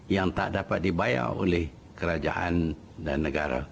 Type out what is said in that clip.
yang tak dapat dibayar oleh kerajaan dan negara